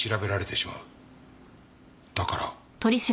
だから。